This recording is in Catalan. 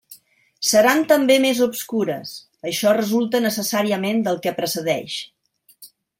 Seran també més obscures; això resulta necessàriament del que precedeix.